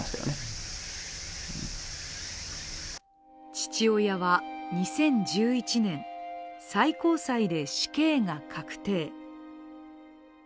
父親は２０１１年、最高裁で死刑が確定。